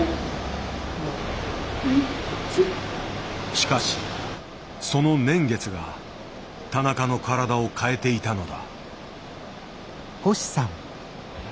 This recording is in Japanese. しかしその年月が田中の体を変えていたのだ。